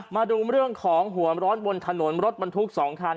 มาดูเรื่องของหัวร้อนบนถนนรถบรรทุก๒คัน